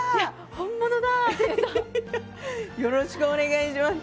よろしくお願いします。